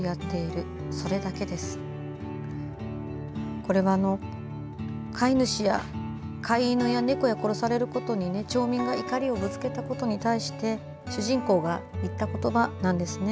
これは飼い犬や猫を殺されることに町民が怒りをぶつけたことに対して主人公が言ったことばなんですね。